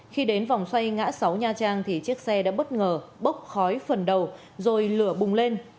khi đến vòng xoay ngã sáu nha trang thì chiếc xe đã bất ngờ bốc khói phần đầu rồi lửa bùng lên